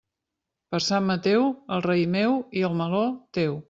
Per Sant Mateu, el raïm meu i el meló, teu.